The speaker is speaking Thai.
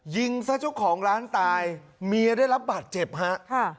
ยิงซะเจ้าของร้านตายเมียได้รับบาดเจ็บฮะค่ะ